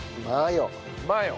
マヨ。